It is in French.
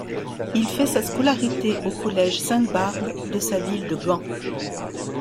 Il fait sa scolarité au collège Sainte-Barbe de sa ville de Gand.